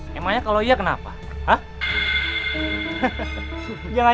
habis ngerampok ya memenang taksi yang tadi